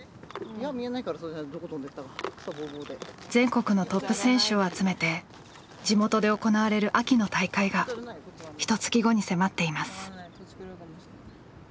全国のトップ選手を集めて地元で行われる秋の大会がひとつき後に迫っています。